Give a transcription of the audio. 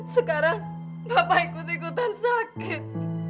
sekarang bapak ikut ikutan sakit